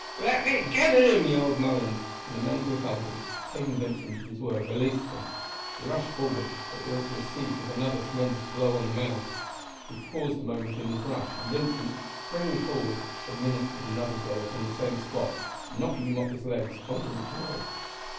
"Let me get at him!" yelled Mullens; and the men who held him, taking Vincent at his word, released him. He rushed forward, but was received with another tremendous blow on the mouth. He paused a moment in his rush, and Vincent, springing forward, administered another blow upon the same spot, knocking him off his legs on to the floor.